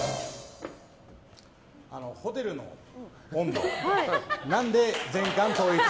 ホテルの温度なんで全館統一？